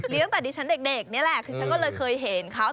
ตั้งแต่ดิฉันเด็กนี่แหละคือฉันก็เลยเคยเห็นเขา